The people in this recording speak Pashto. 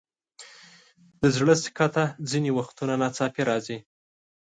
د زړه سکته ځینې وختونه ناڅاپي راځي.